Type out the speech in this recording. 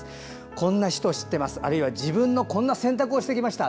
こんな人知ってますあるいは自分がこんな選択をしてきました